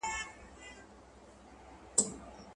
لکه جوړه له مرمرو نازنینه.